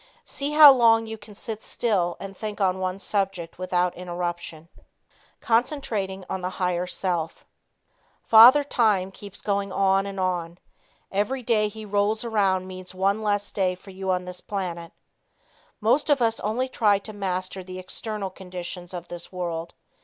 See how long you can sit still and think on one subject without interruption. Concentrating on the Higher Self. Father Time keeps going on and on. Every day he rolls around means one less day for you on this planet. Most of us only try to master the external conditions of this world.